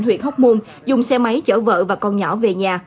huyện hóc môn dùng xe máy chở vợ và con nhỏ về nhà